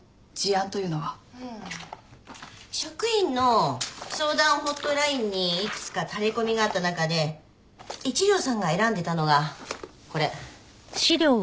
うん職員の相談ホットラインにいくつかタレコミがあった中で一条さんが選んでたのがこれ。